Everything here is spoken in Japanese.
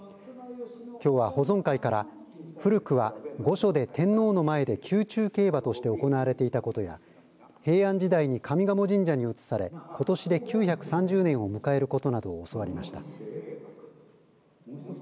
きょうは保存会から古くは御所で天皇の前で宮中競馬として行われていたことや平安時代に上賀茂神社に移されことしで９３０年を迎えることなどを教わりました。